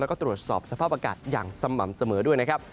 แล้วก็ตรวจสอบสภาพอากาศอย่างสม่ำเสมอด้วยนะครับ